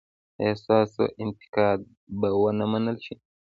ایا ستاسو انتقاد به و نه منل شي؟